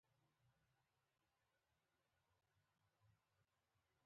د اساسي قانون نشتون په استبدادیت باندې اوړي.